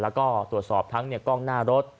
แล้วก็ตรวจสอบทั้งกล้องหน้ารถ